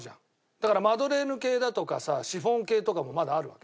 だからマドレーヌ系だとかさシフォン系とかもまだあるわけ。